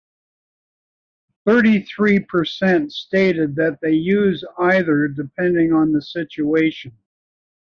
Thirty-three percent stated that they use either depending on the situation.